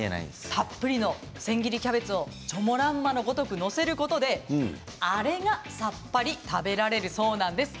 たっぷりの千切りキャベツをチョモランマのごとく載せることであれがさっぱりと食べられるんだそうです。